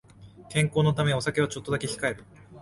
健康のためお酒はちょっとだけ控える